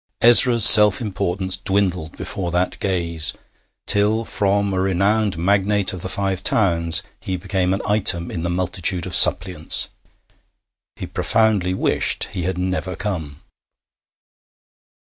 Ezra's self importance dwindled before that gaze, till, from a renowned magnate of the Five Towns, he became an item in the multitude of suppliants. He profoundly wished he had never come.